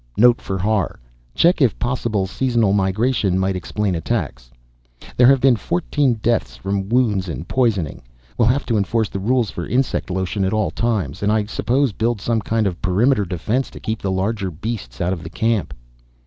(Note for Har: check if possible seasonal migration might explain attacks.) There have been fourteen deaths from wounds and poisoning. We'll have to enforce the rules for insect lotion at all times. And I suppose build some kind of perimeter defense to keep the larger beasts out of the camp.'